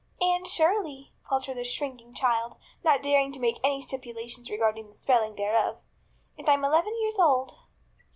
"Anne Shirley," faltered the shrinking child, not daring to make any stipulations regarding the spelling thereof, "and I'm eleven years old."